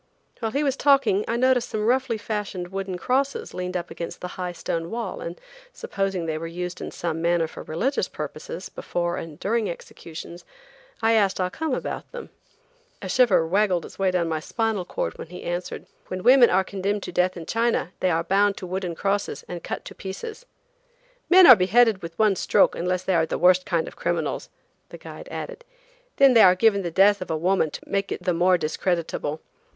While he was talking I noticed some roughly fashioned wooden crosses leaned up against the high stone wall, and supposing they were used in some manner for religious purposes before and during the executions, I asked Ah Cum about them. A shiver waggled down my spinal cord when he answered: "When women are condemned to death in China they are bound to wooden crosses and cut to pieces." "Men are beheaded with one stroke unless they are the worst kind of criminals," the guide added, "then they are given the death of a woman to make it the more discreditable.